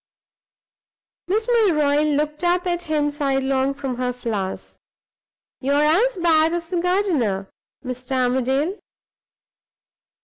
Miss Milroy looked up at him sidelong from her flowers "You are as bad as the gardener, Mr. Armadale!"